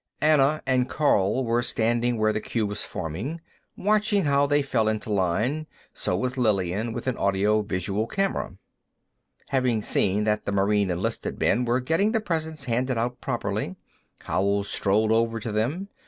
Anna and Karl were standing where the queue was forming, watching how they fell into line; so was Lillian, with an audiovisual camera. Having seen that the Marine enlisted men were getting the presents handed out properly, Howell strolled over to them.